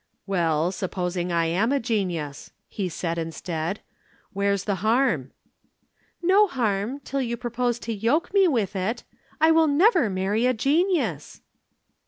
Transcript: "Well, supposing I am a genius," he said instead. "Where's the harm?" "No harm till you propose to yoke me with it! I never will marry a genius."